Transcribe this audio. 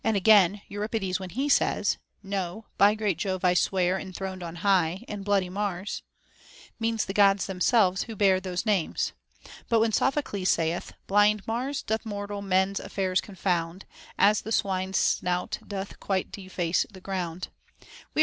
Again, Euripides, when he says, No ; by great Jove I swear, enthroned on high, And bloody Mars, * means the Gods themselves who bare those names. But when Sophocles saith, Blind Mars doth mortal men's affairs confound, As the swine's snout doth quite deface the ground, * Eurip. Phoeniss.